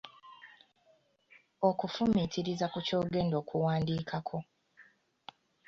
Okufumiitiriza ku ky’ogenda okuwandiikako